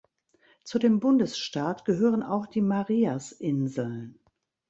Zu dem Bundesstaat gehören auch die Marias-Inseln.